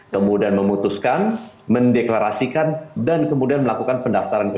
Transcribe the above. kemudian memutuskan mendeklarasikan dan kemudian melakukan pendaftaran ke kpu